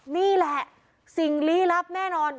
นี่แหละสิ่งลี้ลับแน่นอน